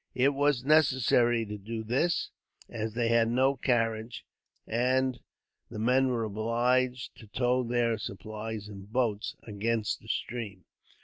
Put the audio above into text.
It was necessary to do this, as they had no carriage; and the men were obliged to tow their supplies in boats, against the stream.